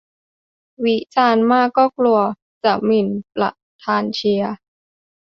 วิจารณ์มากก็กลัวจะหมิ่นประธานเชียร์